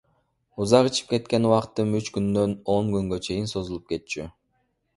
Узак ичип кеткен убактым үч күндөн он күнгө чейин созулуп кетчү.